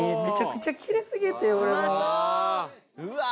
めちゃくちゃきれいすぎて俺もう。